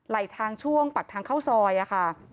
ทางช่วงปากทางเข้าซอยค่ะ